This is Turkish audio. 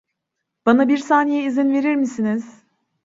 Bana bir saniye izin verir misiniz?